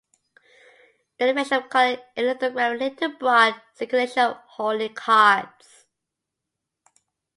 The invention of color lithography led to broad circulation of holy cards.